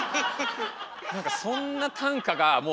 何かそんな短歌がもう。